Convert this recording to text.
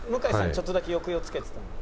ちょっとだけ抑揚つけてたんで」。